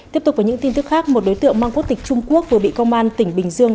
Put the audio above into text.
tiếp tục với những tin tức khác một đối tượng mang quốc tịch trung quốc vừa bị công an tỉnh bình dương